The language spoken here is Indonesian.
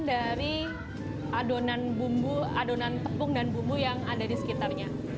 dari adonan tepung dan bumbu yang ada di sekitar